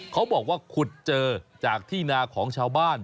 เขาบอกว่าขุดเจอจากที่นาของชาวบ้าน